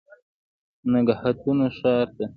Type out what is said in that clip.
د نګهتونو ښار ته